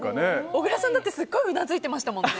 小倉さんだってすごいうなずいてましたもんね。